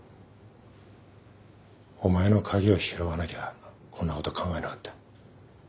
お前の鍵を拾わなきゃこんなこと考えなかった。